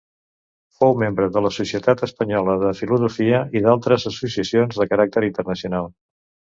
Fou membre de la Societat Espanyola de Filosofia i d'altres associacions de caràcter internacional.